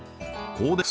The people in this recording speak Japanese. そうです。